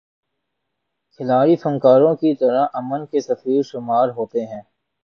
کھلاڑی فنکاروں کی طرح امن کے سفیر شمار ہوتے ہیں۔